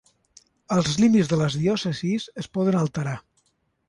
Els límits de les diòcesis es poden alterar.